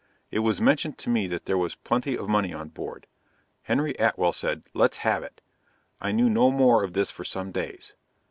It was mentioned to me that there was plenty of money on board. Henry Atwell said "let's have it." I knew no more of this for some days.